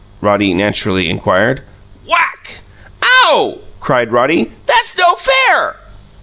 Roddy naturally inquired. Whack! "OW!" cried Roddy. "That's no fair!"